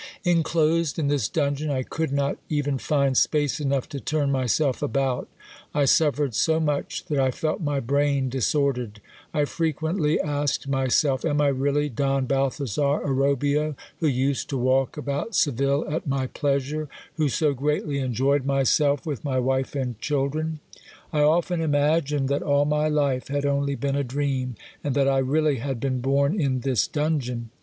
"Inclosed in this dungeon I could not even find space enough to turn myself about; I suffered so much that I felt my brain disordered. I frequently asked myself, am I really Don Balthazar Orobio, who used to walk about Seville at my pleasure, who so greatly enjoyed myself with my wife and children? I often imagined that all my life had only been a dream, and that I really had been born in this dungeon!